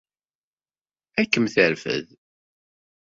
Ad kem-terfed.